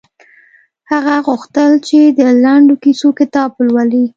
هغه غوښتل چې د لنډو کیسو کتاب ولولي